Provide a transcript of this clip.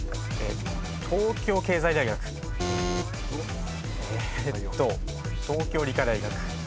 東京経済大学。東京理科大学。